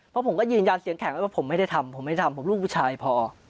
เพราะผมก็ยืนยันเสียงแข็งแล้วว่าผมไม่ได้ทำผมไม่ได้ทำผมลูกผู้ชายพอ